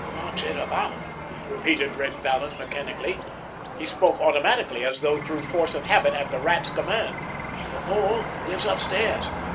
"What's it about?" repeated Red Vallon mechanically. He spoke automatically, as though through force of habit at the Rat's command. "The Mole lives upstairs.